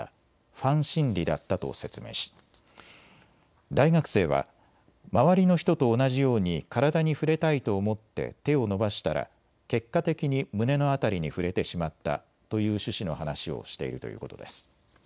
ファン心理だったと説明し、大学生は周りの人と同じように体に触れたいと思って手を伸ばしたら結果的に胸の辺りに触れてしまったという趣旨の話をしているということです。